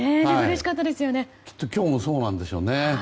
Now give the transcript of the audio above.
きっと今日もそうなんでしょうね。